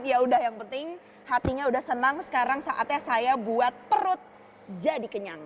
ya udah yang penting hatinya udah senang sekarang saatnya saya buat perut jadi kenyang